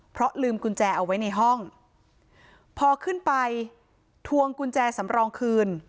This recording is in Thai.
เพราะลืมกุญแจเอาไว้ในห้องพอขึ้นไปทวงกุญแจสำรองคืน